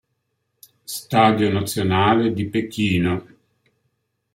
Stadio Nazionale di Pechino.